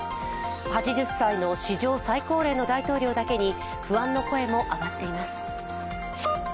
８０歳の史上最高齢の大統領だけに不安の声も上がっています。